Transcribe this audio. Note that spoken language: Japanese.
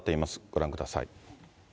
ご覧ください。